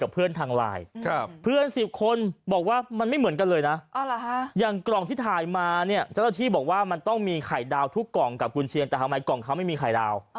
เพื่อนทางไลน์เพื่อน๑๐คนบอกว่ามันไม่เหมือนกันเลยนะอย่างกล่องที่ถ่ายมาเนี่ยเจ้าหน้าที่บอกว่ามันต้องมีไข่ดาวทุกกล่องกับกุญเชียนแต่ทำไมกล่องเขาไม่มีไข่ดาว